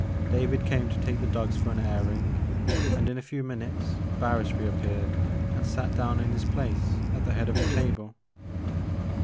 David came to take the dogs for an airing and in a few min utes Barris reappeared and sat down in his place at the head of the table.